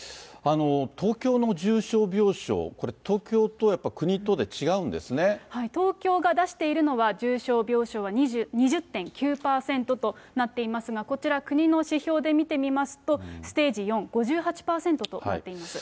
東京の重症病床、東京が出しているのは、重症病床は２０．９％となっていますが、こちら、国の指標で見てみますとステージ４、５８％となっています。